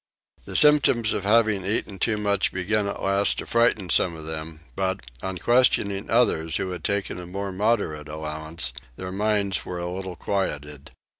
The symptoms of having eaten too much began at last to frighten some of them but, on questioning others who had taken a more moderate allowance, their minds were a little quieted.